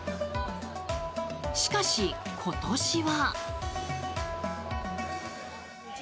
しかし、今年は。